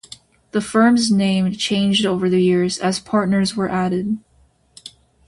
The firm's name changed over the years as partners were added.